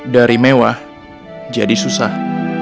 dari mewah jadi susah